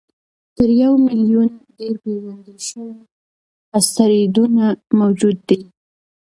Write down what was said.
تر یو میلیون ډېر پېژندل شوي اسټروېډونه موجود دي.